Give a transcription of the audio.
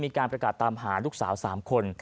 มีการประกาศตามหาลูกสาว๓คน